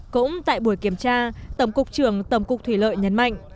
cũng tại buổi kiểm tra tổng cục trưởng tổng cục thủy lợi nhấn mạnh